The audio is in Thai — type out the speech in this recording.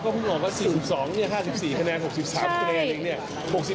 ก็พึ่งออกว่า๔๒เนี่ย๕๔คะแนน๖๓คะแนนเนี่ย